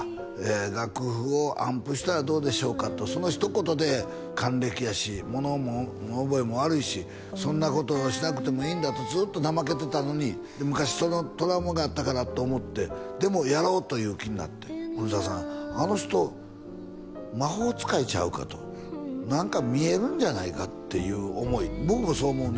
「楽譜を暗譜したらどうでしょうか？」とそのひと言で還暦やし物覚えも悪いしそんなことしなくてもいいんだとずっと怠けてたのに昔そのトラウマがあったからと思ってでもやろうという気になって古澤さん「あの人魔法使いちゃうか」と何か見えるんじゃないかっていう思い僕もそう思うね